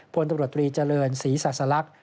พตรีเจริญศรีษศลักษณ์